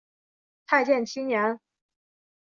太建七年。